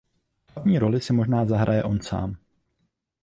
Hlavní roli si možná zahraje on sám.